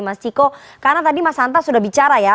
mas ciko karena tadi mas hanta sudah bicara ya